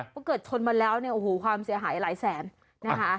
เพราะเกิดชนมาแล้วเนี่ยโอ้โหความเสียหายหลายแสนนะคะ